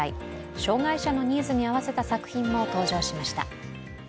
障害者のニーズに合わせた作品も登場しました。